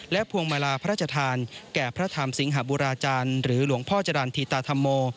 พวงมาลาพระราชทานแก่พระธรรมสิงหบุราจารย์หรือหลวงพ่อจรรย์ธีตาธรรมโม